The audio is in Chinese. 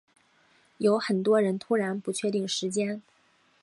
有很多人突然不确定时间